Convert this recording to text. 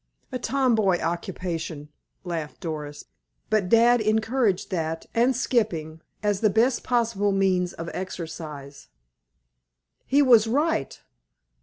"A tom boy occupation," laughed Doris. "But dad encouraged that and skipping, as the best possible means of exercise." "He was right.